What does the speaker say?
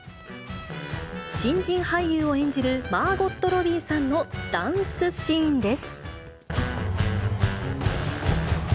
新人俳優を演じるマーゴット・ロビーさんのダンスシーンです。